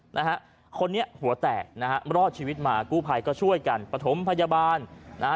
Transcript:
นะฮะคนนี้หัวแตกนะฮะรอดชีวิตมากู้ภัยก็ช่วยกันประถมพยาบาลนะฮะ